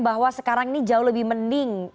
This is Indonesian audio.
bahwa sekarang ini jauh lebih mending